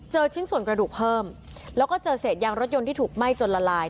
ชิ้นส่วนกระดูกเพิ่มแล้วก็เจอเศษยางรถยนต์ที่ถูกไหม้จนละลาย